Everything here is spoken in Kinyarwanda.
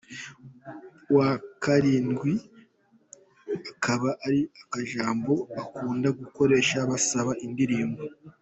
wa karindwi akaba ari akajambo bakunda gukoresha basaba indirimbo.